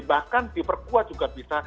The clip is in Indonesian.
bahkan diperkuat juga bisa